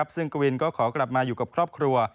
ซึ่งกวินก็ขอกลับมาอยู่กับครอบครัว